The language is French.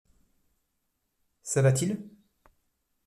Ça va-t-il?